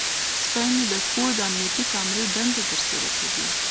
سپی مې د کور د امنیتي کامرې دنده ترسره کوي.